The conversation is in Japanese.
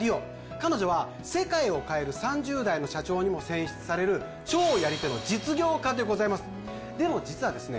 彼女は世界を変える３０代の社長にも選出される超やり手の実業家でございますでも実はですね